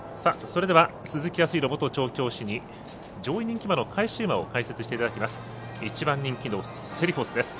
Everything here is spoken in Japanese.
それでは、鈴木康弘元調教師に上位人気馬の返し馬を解説していただきます。